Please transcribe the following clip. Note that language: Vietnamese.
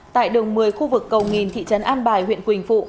tại đường một mươi khu vực cầu nghìn thị trấn an bài huyện quỳnh phụ